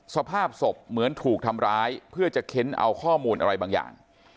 สภาพศพเหมือนถูกทำร้ายเพื่อจะเค้นเอาข้อมูลอะไรบางอย่าง